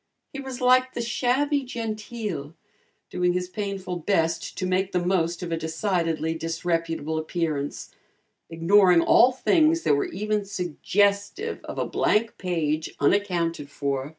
He was like the "shabby genteel," doing his painful best to make the most of a decidedly disreputable appearance, ignoring all things that were even suggestive of a blank page unaccounted for.